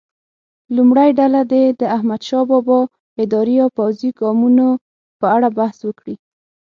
لومړۍ ډله دې د احمدشاه بابا اداري او پوځي ګامونو په اړه بحث وکړي.